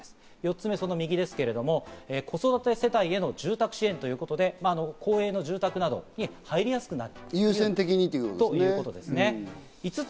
４つ目、子育て世帯への住宅支援ということで、公営の住宅などに入りやすくなる。